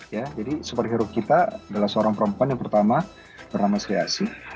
jadi superhero kita adalah seorang perempuan yang pertama bernama sri asih